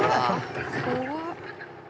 怖っ！